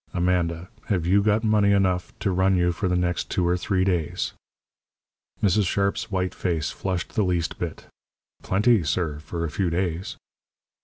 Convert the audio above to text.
Amanda, have you got money enough to run you for the next two or three days?" Mrs. Sharp's white face flushed the least bit. "Plenty, sir for a few days."